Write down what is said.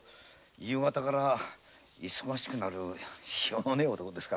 夕方から忙しくなるしょうのねぇ男でして。